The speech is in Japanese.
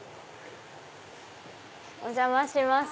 お邪魔します